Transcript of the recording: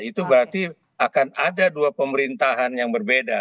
itu berarti akan ada dua pemerintahan yang berbeda